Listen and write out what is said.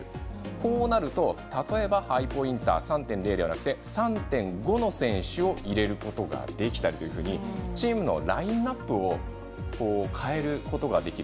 こうなると例えばハイポインター３．０ではなくて３．５の選手を入れることができたりというふうにチームのラインアップを変えることができる。